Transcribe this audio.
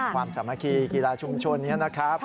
สามัคคีกีฬาชุมชนนี้นะครับ